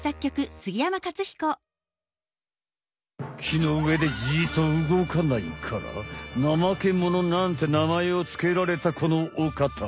木の上でじっとうごかないからナマケモノなんてなまえをつけられたこのおかた。